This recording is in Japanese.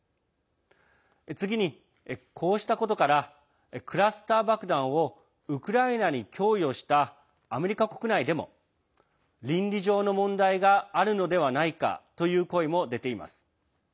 次に、こうしたことからクラスター爆弾をウクライナに供与したアメリカ国内でも倫理上の問題があるのではないかという声も出ています。